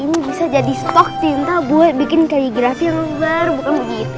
ini bisa jadi stok tinta buat bikin kaligrafi yang berbezit